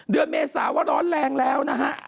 เดือนเมสาวร้อนแรงแล้วนะฮะ